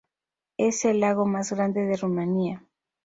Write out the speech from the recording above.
Es el lago más grande de Rumanía.